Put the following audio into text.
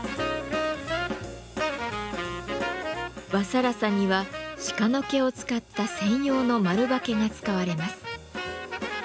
和更紗には鹿の毛を使った専用の丸刷毛が使われます。